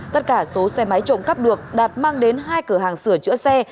tất cả số xe máy trộm cắp được đạt mang đến hai cửa hàng sửa chữa xe